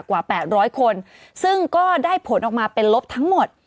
กว่า๘๐๐คนซึ่งก็ได้ผลออกมาเป็นลบทั้งหมด